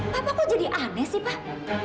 bapak kok jadi aneh sih pak